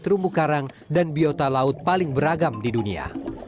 terumbu karang dan biota laut paling beragam di dunia